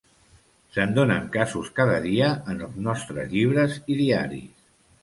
Se'n donen casos cada dia en els nostres llibres i diaris.